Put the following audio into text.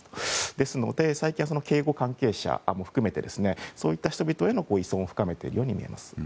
ですので、最近は警護関係者を含めてそういった人々への依存を深めていると思います。